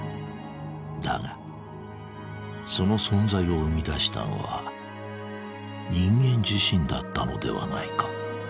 だがその存在を生み出したのは人間自身だったのではないか。